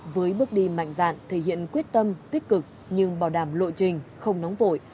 với bước đi mạnh dạn thể hiện quyết tâm tích cực nhưng bảo đảm lộ trình không nóng vội